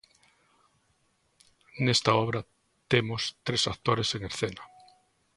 Nesta obra temos tres actores en escena.